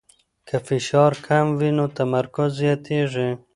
که فشار کم وي نو تمرکز زیاتېږي.